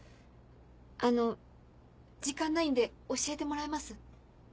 あの時間ないんで教えてもらえます？